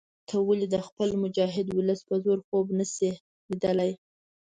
ته ولې د خپل مجاهد ولس په زور خوب نه شې لیدلای.